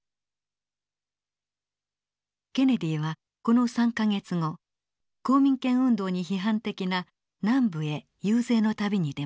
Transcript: ケネディはこの３か月後公民権運動に批判的な南部へ遊説の旅に出ます。